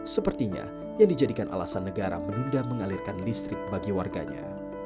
sepertinya yang dijadikan alasan negara menunda mengalirkan listrik bagi warganya